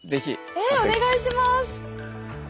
えお願いします。